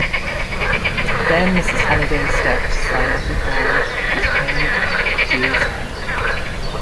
Then Mrs. Holliday stepped silently forward, was paid, drew aside.